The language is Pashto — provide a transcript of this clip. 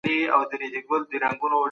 ميرويس خان څنګه بېرته کندهار ته ستون سو؟